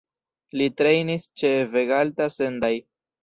Li trejnis ĉe Vegalta Sendai.